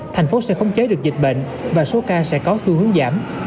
thành phố sẽ khống chế được dịch bệnh và số ca sẽ có xu hướng giảm